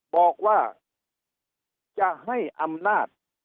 บอกว่าจะให้อำนาจ